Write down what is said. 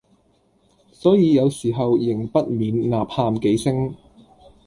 所以有時候仍不免吶喊幾聲，